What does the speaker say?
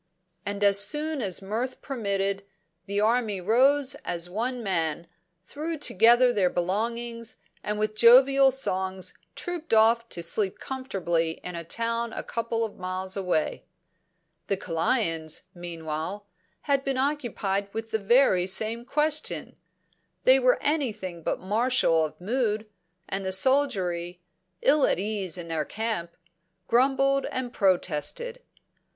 And, as soon as mirth permitted, the army rose as one man, threw together their belongings, and with jovial songs trooped off to sleep comfortably in a town a couple of miles away. "'The Kalayans, meanwhile, had been occupied with the very same question. They were anything but martial of mood, and the soldiery, ill at ease in their camp, grumbled and protested.